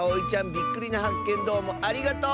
びっくりなはっけんどうもありがとう！